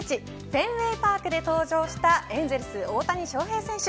フェンウェイパークで登場したエンゼルス、大谷翔平選手。